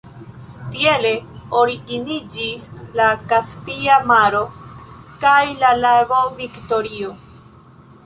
Tiele originiĝis la Kaspia Maro kaj la lago Viktorio.